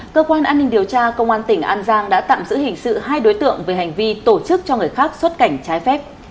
cơ quan an ninh điều tra công an tỉnh an giang đã tạm giữ hình sự hai đối tượng về hành vi tổ chức cho người khác xuất cảnh trái phép